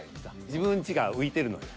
自分んちが浮いてるのよ。